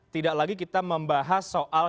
tidak lagi kita membahas soal